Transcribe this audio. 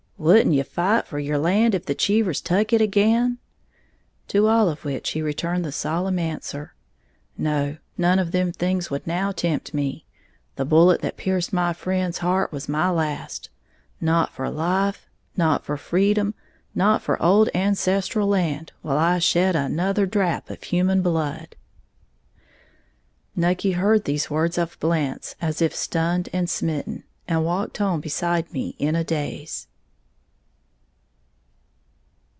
"Wouldn't you fight for your land if the Cheevers tuck it again?" To all of which he returned the solemn answer, "No, none of them things would now tempt me! The bullet that pierced my friend's heart was my last! Not for life, not for freedom, not for old ancestral land, will I shed another drap of human blood!" Nucky heard these words of Blant's as if stunned and smitten, and walked home beside me in a daze.